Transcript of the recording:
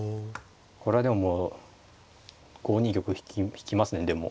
これはでももう５二玉引きますねでも。